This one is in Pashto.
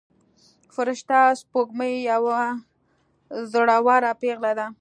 فرشته سپوږمۍ یوه زړوره پيغله ده.